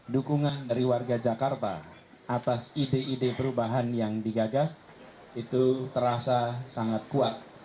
dukungan dari warga jakarta atas ide ide perubahan yang digagas itu terasa sangat kuat